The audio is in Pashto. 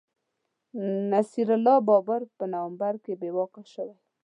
نصیر الله بابر په نومبر کي بې واکه شوی